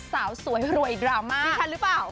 สาวสวยรวยดราม่าดิฉันหรือเปล่า